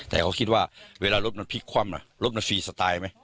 แต่เค้าคิดว่าเวลารถน้อยพลิกความนะรถนรย์ฟรีสไตล์ไหม